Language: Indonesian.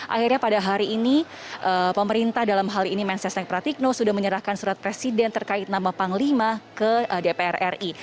akhirnya pada hari ini pemerintah dalam hal ini mensesnek pratikno sudah menyerahkan surat presiden terkait nama panglima ke dpr ri